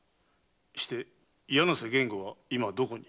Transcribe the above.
して柳瀬源吾は今どこに？